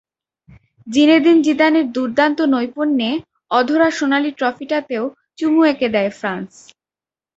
Zinedine জিদানের দুর্দান্ত নৈপুণ্যে অধরা সোনালি ট্রফিটাতেও চুমু এঁকে দেয় ফ্রান্স।